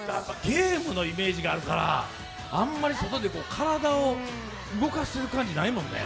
ゲームのイメージがあるから体を動かす感じないもんね。